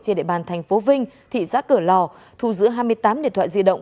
trên đệ bàn tp hcm thị giác cửa lò thu giữ hai mươi tám điện thoại di động